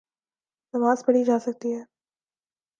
نماز پڑھی جاسکتی ہے۔